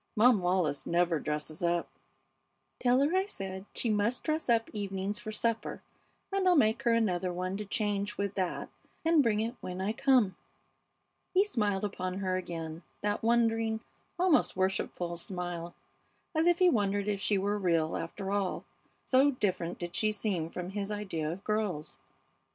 "Mom Wallis never dresses up." "Tell her I said she must dress up evenings for supper, and I'll make her another one to change with that and bring it when I come." He smiled upon her again, that wondering, almost worshipful smile, as if he wondered if she were real, after all, so different did she seem from his idea of girls.